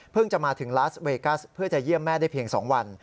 จะมาถึงลาสเวกัสเพื่อจะเยี่ยมแม่ได้เพียง๒วัน